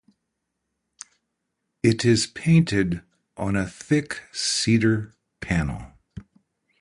It is painted on a thick cedar panel.